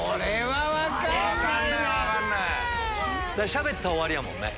しゃべったら終わりやもんね。